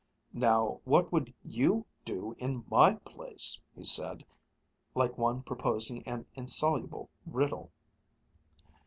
"Now what would you do in my place?" he said, like one proposing an insoluble riddle.